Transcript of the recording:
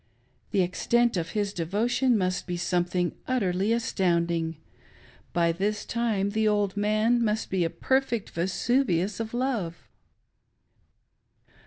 The extent of his devotion must be something utterly astounding ; by this time the old man must be a perfect Vesuvius of love